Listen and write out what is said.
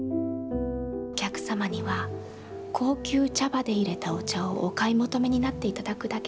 お客様には高級茶葉でいれたお茶をお買い求めになっていただ